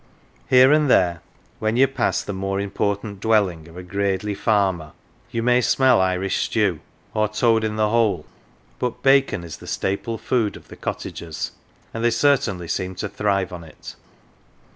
Here and there, when THORNLEIGH you pass the more important dwelling of a " gradely farmer," you may smell Irish stew, or " toad in the hole,"" but bacon is the staple food of the cottagers, and they certainly seem to thrive on it.